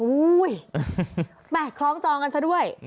โอ้ยมาคล้องจองกันซะด้วย